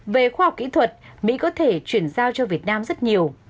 về khoa học kỹ thuật mỹ có thể chuyển giao cho việt nam rất nhiều